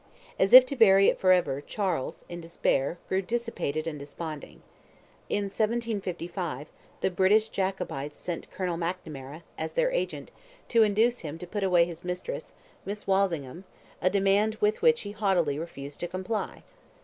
As if to bury it for ever, Charles, in despair, grew dissipated and desponding. In 1755, "the British Jacobites" sent Colonel McNamara, as their agent, to induce him to put away his mistress, Miss Walsingham, a demand with which he haughtily refused to comply.